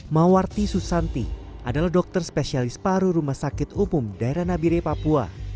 mawarti susanti adalah dokter spesialis paru rumah sakit umum daerah nabire papua